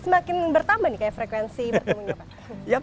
semakin bertambah nih kayak frekuensi bertemunya pak